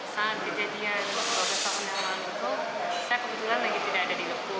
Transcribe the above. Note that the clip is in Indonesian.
saat kejadian dua belas tahun lalu itu saya kebetulan lagi tidak ada di lepung